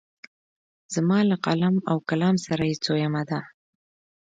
زما له قلم او کلام سره یې څویمه ده.